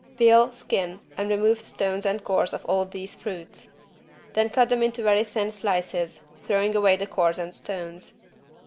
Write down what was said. Peel, skin and remove stones and cores of all these fruits. Then cut them into very thin slices, throwing away the cores and stones.